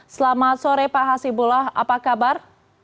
selamat sore pak hasibullah apa kabar